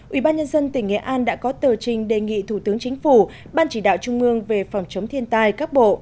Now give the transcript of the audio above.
ubnd tỉnh nghệ an đã có tờ trình đề nghị thủ tướng chính phủ ban chỉ đạo trung ương về phòng chống thiên tai các bộ